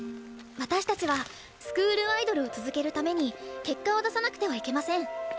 私たちはスクールアイドルを続けるために結果を出さなくてはいけません。